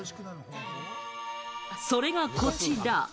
それがこちら。